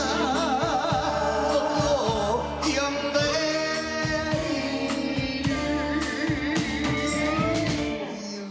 「僕を呼んでいる」